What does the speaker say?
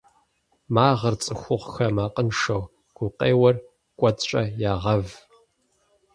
Магъыр цӏыхухъухэр макъыншэу, гукъеуэр кӏуэцӏкӏэ ягъэв.